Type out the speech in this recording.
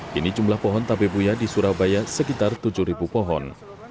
kini jumlah pohon tabebuya di surabaya sekitar tujuh pohon